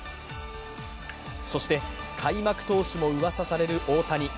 そして、開幕投手もうわさされる大谷。